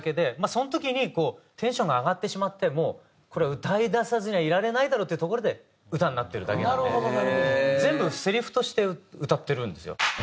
その時にテンションが上がってしまってもうこれは歌い出さずにはいられないだろうっていうところで歌になってるだけなので全部セリフとして歌ってるんですよ。